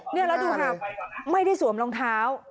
นี่ละดูครับไม่ได้สวมรองเท้า